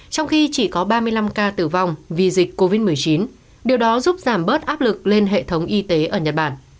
trong khi chỉ có ba mươi năm ca tử vong vì dịch covid một mươi chín điều đó giúp giảm bớt áp lực lên hệ thống y tế ở nhật bản